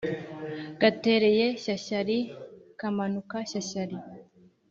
gatereye shyashyari kamanuka shyashyari